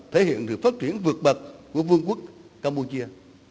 thể hiện sự phát triển vượt bậc của vương quốc campuchia